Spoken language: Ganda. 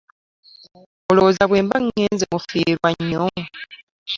Olowooza bwe mba ŋŋenze mufiirwa nnyo?